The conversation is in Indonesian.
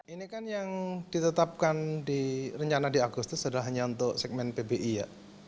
ini kan yang ditetapkan di rencana di agustus adalah hanya untuk segmen pbi ya